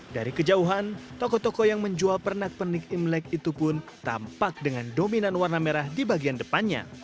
dari kejauhan toko toko yang menjual pernak pernik imlek itu pun tampak dengan dominan warna merah di bagian depannya